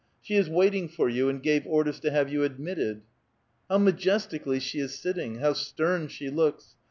'* She is waiting for you, and gave orders to have you admitted." How majestically she is sitting ! how stern she looks